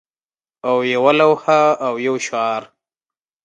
او یوه لوحه او یو شعار